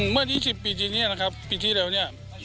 เมื่อ๒๐ปีที่นี่นะครับปีที่แล้วเนี่ย